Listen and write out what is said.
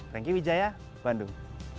thank you wijaya bandung